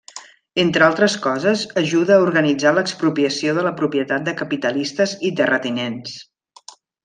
Entre altres coses, ajuda a organitzar l'expropiació de la propietat de capitalistes i terratinents.